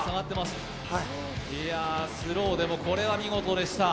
スローでもこれは見事でした。